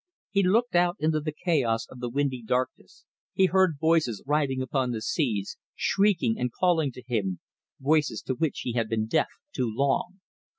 He looked out into the chaos of the windy darkness, he heard voices riding upon the seas, shrieking and calling to him, voices to which he had been deaf too long.